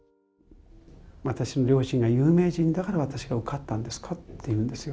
私の両親が有名人だから私が受かったんですかって言うんですよ。